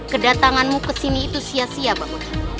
kedatanganmu ke sini itu sia sia bahula